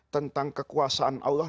tentang kekuasaan allah